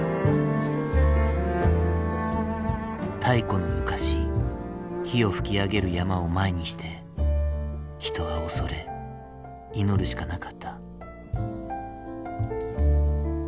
太古の昔火を噴き上げる山を前にして人は畏れ祈るしかなかった。